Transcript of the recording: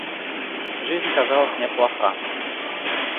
Жизнь казалась мне плоха.